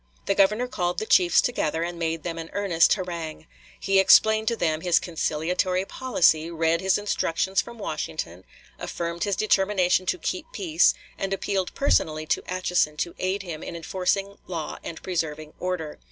The Governor called the chiefs together and made them an earnest harangue. He explained to them his conciliatory policy, read his instructions from Washington, affirmed his determination to keep peace, and appealed personally to Atchison to aid him in enforcing law and preserving order.